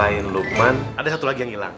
selain lukman ada satu lagi yang hilang